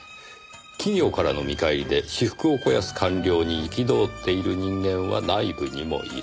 「企業からの見返りで私腹を肥やす官僚に憤っている人間は内部にもいる」